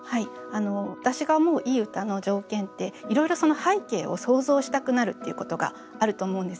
私が思ういい歌の条件っていろいろその背景を想像したくなるっていうことがあると思うんです。